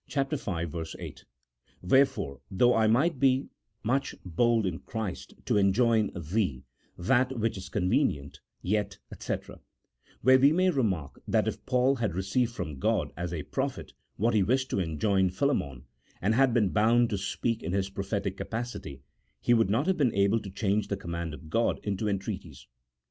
8 :" Wherefore, though I might be much bold in Christ to enjoin thee that which is convenient, yet," &c, where we may remark that if Paul had received from God as a prophet what he wished to enjoin Philemon, and had been bound to speak in his prophetic capacity, he would not have been able to change the command of God into entreaties.